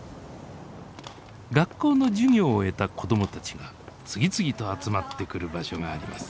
学校の授業を終えた子どもたちが次々と集まってくる場所があります。